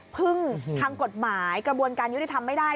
พึ่งทางกฎหมายกระบวนการยุติธรรมไม่ได้